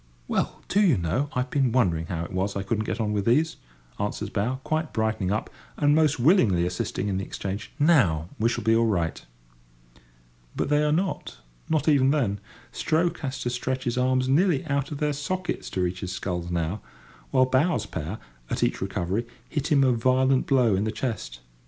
"Well, do you know, I've been wondering how it was I couldn't get on with these," answers bow, quite brightening up, and most willingly assisting in the exchange. "Now we shall be all right." But they are not—not even then. Stroke has to stretch his arms nearly out of their sockets to reach his sculls now; while bow's pair, at each recovery, hit him a violent blow in the chest.